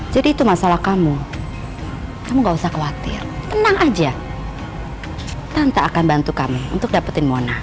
jadi itu masalah kamu kamu nggak usah khawatir tenang aja tante akan bantu kamu untuk dapetin mona